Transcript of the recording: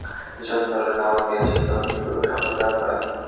তিনি সপ্তম দলাই লামাকে শিক্ষা ও ভিক্ষুর শপথ দান করেন।